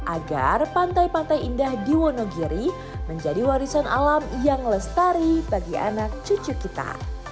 agar pantai pantai indah di wonogiri menjadi warisan alam yang lestari bagi anak cucu kita